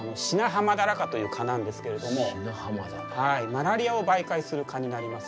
マラリアを媒介する蚊になります。